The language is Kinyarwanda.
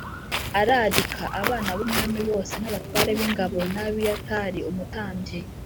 ararika abana b’umwami bose n’abatware b’ingabo na Abiyatari umutambyi